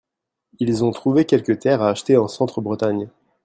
Ils ont trouvé quelques terres à acheter en centre Bretagne.